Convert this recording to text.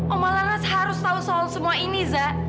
umar laras harus tahu soal semua ini zah